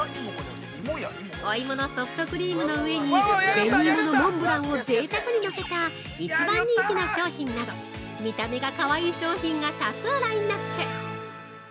お芋のソフトクリームの上に紅芋のモンブランをぜいたくにのせた１番人気の商品など見た目がかわいい商品が多数ラインナップ！